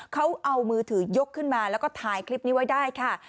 เขาเอามือถือยกขึ้นมาแล้วก็ถ่ายคลิปนี้ไว้ได้ค่ะ